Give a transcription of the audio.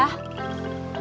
aku jalan ya teh